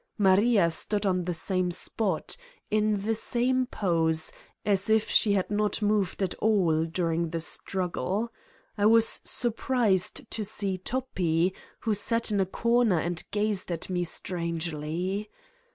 Maria stood on the same spot, in the same pose, as if she had not moved at all during the struggle. I was sur prised to see Toppi, who sat in a corner and gazed at me strangely.